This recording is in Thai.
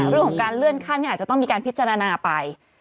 เรื่องของการเลื่อนขั้นอาจจะต้องมีการพิจารณาไป